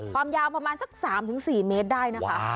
ความยาวประมาณสัก๓ถึง๔เมตรได้